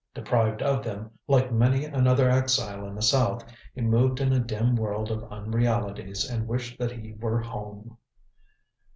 Deprived of them, like many another exile in the South, he moved in a dim world of unrealities and wished that he were home.